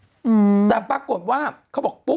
คุณหนุ่มกัญชัยได้เล่าใหญ่ใจความไปสักส่วนใหญ่แล้ว